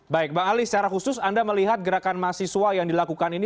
baik bang ali secara khusus anda melihat gerakan mahasiswa yang dilakukan ini